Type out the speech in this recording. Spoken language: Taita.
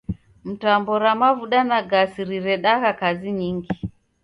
Mitambo ra mavuda na gasi riredagha kazi nyingi.